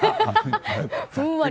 ふんわり。